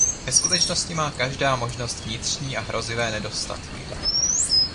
Ve skutečnosti má každá možnost vnitřní a hrozivé nedostatky.